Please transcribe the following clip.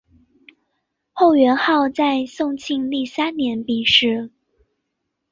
后元昊在宋庆历三年病逝。